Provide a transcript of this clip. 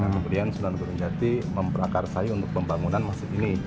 kemudian sunan gunung jati memperakarsai untuk pembangunan masjid ini